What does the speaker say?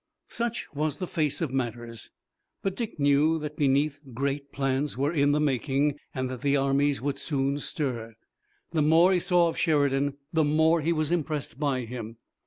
Such was the face of matters, but Dick knew that, beneath, great plans were in the making and that the armies would soon stir. The more he saw of Sheridan the more he was impressed by him.